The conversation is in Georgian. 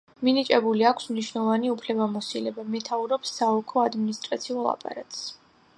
მინიჭებული აქვს მნიშვნელოვანი უფლებამოსილება, მეთაურობს საოლქო ადმინისტრაციულ აპარატს.